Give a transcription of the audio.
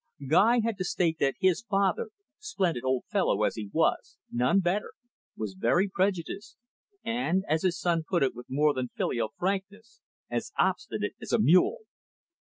Guy had to state that his father, splendid old fellow as he was, none better, was very prejudiced and, as his son put it with more than filial frankness, "as obstinate as a mule."